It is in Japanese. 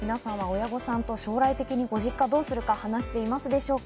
皆さんは親御さんと将来的にご実家をどうするか話していますでしょうか？